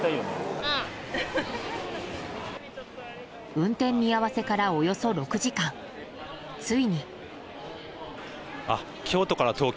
運転見合わせからおよそ６時間、ついに。